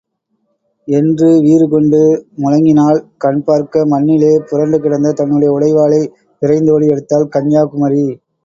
என்று வீறு கொண்டு முழங்கினாள் கண்பார்க்க மண்ணிலே புரண்டு கிடந்த தன்னுடைய உடைவாளை விரைந்தோடி எடுத்தாள், கன்யாகுமரி!